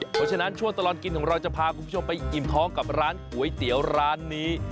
เพราะฉะนั้นช่วงตลอดกินของเราจะพาคุณผู้ชมไปอิ่มท้องกับร้านก๋วยเตี๋ยวร้านนี้